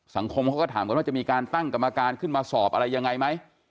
สังคมเขาก็ถามกันว่าจะมีการตั้งกรรมการขึ้นมาสอบอะไรยังไงไหม